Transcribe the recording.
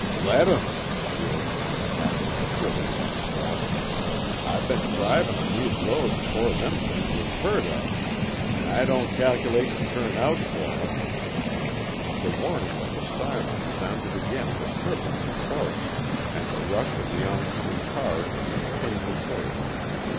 "Let 'em," the old man cackled shrilly once more. "I've been drivin' on these roads afore them things was heard of, an' I don't calc'late to turn out for 'em." The warning of the siren sounded again disturbingly close, and the rush of the oncoming car could be plainly heard.